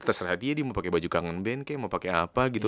terserah dia dia mau pake baju kangen band kayaknya mau pake apa gitu